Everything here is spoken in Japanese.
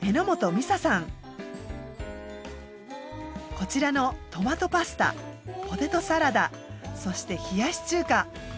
こちらのトマトパスタポテトサラダそして冷やし中華。